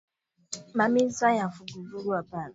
Ma miza yanguvunguvu apana